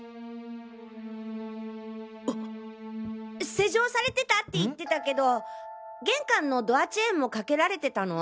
施錠されてたって言ってたけど玄関のドアチェーンもかけられてたの？